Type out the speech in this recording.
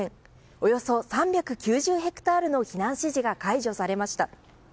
およそ３９０ヘクタールの避難指示が解除されました。